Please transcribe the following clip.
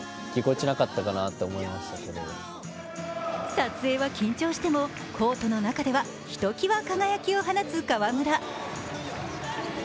撮影は緊張してもコートの中ではひときわ輝きを放つ河村。